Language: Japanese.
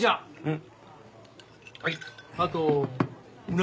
うん。